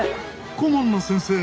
顧問の先生も。